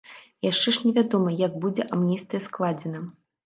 Яшчэ ж не вядома, як будзе амністыя складзена.